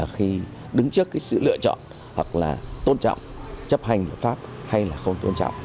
khi đứng trước cái sự lựa chọn hoặc là tôn trọng chấp hành luật pháp hay là không tôn trọng